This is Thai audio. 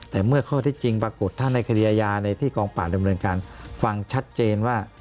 แต่เมื่อข้อที่จริงปรากฏถ้าในคดีอาญาในที่กองปราบดำเนินการฟังชัดเจนว่า